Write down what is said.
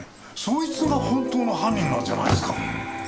そいつが本当の犯人なんじゃないですか。